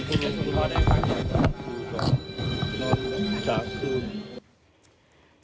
จากคุณ